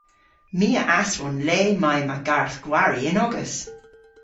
My a aswon le may ma garth-gwari yn-ogas.